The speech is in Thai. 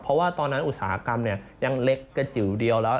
เพราะว่าตอนนั้นอุตสาหกรรมยังเล็กกระจิ๋วเดียวแล้ว